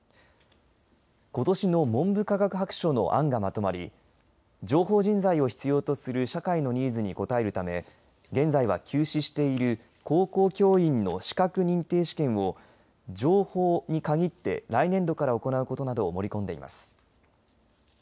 ことしの文部科学白書の案がまとまり情報人材を必要とする社会のニーズにこたえるため現在は休止している高校教員の資格認定試験を情報に限って来年度から行うことなどを盛り込んでいます。